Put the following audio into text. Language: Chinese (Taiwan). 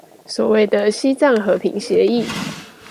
所謂的西藏和平協議